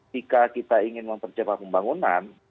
jika kita ingin mempercepat pembangunan